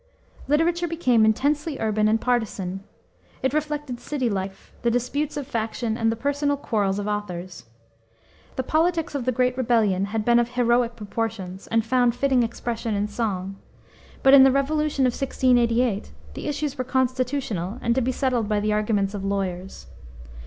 Literature became intensely urban and partisan. It reflected city life, the disputes of faction, and the personal quarrels of authors. The politics of the Great Rebellion had been of heroic proportions, and found fitting expression in song. Rut in the Revolution of 1688 the issues were constitutional and to be settled by the arguments of lawyers.